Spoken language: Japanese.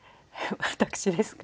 私ですか？